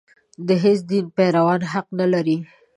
د هېڅ دین پیروان حق نه لري.